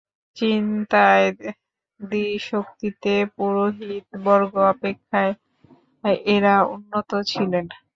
চিন্তায়, ধীশক্তিতে পুরোহিতবর্গ অপেক্ষা এঁরা উন্নত ছিলেন।